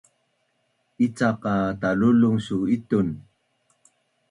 Icaq qa talulung su itun?